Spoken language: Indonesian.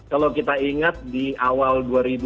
kalau kita ingat di awal dua ribu dua puluh